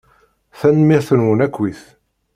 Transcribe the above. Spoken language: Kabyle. Tanemmirt-nwen akkit.